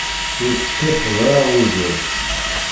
Ur tekkateḍ ara uzzal.